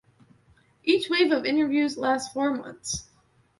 Each wave of interviews lasts four months.